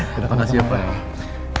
terima kasih pak